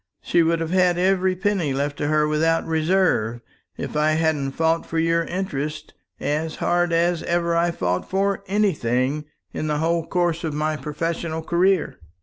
She would have had every penny left to her without reserve, if I hadn't fought for your interests as hard as ever I fought for anything in the whole course of my professional career."